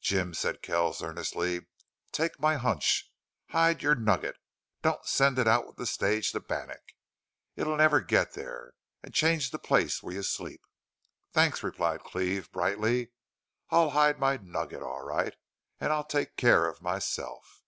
"Jim," said Kells, earnestly, "take my hunch. Hide your nugget. Don't send it out with the stage to Bannack. It'd never get there.... And change the place where you sleep!" "Thanks," replied Cleve, brightly. "I'll hide my nugget all right. And I'll take care of myself."